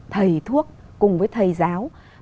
thầy thuốc cùng với thầy giáo